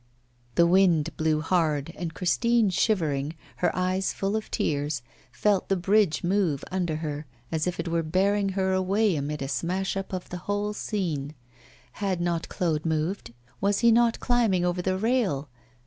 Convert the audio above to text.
The wind blew hard, and Christine, shivering, her eyes full of tears, felt the bridge move under her, as if it were bearing her away amid a smash up of the whole scene. Had not Claude moved? Was he not climbing over the rail?